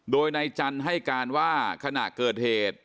โดยนายจันทร์ให้การว่าขณะเกิดเหตุ